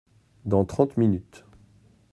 Dans trente minutes.